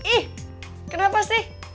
ih kenapa sih